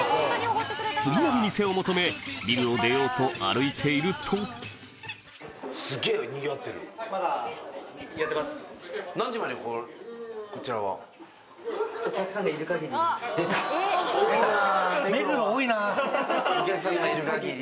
次なる店を求めビルを出ようと歩いていると「お客さんがいる限り」。